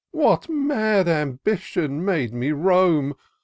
What mad ambition made me toam